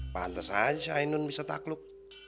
pantes aja si ainun bisa takluk